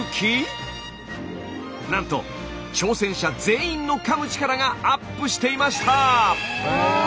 なんと挑戦者全員のかむ力がアップしていました！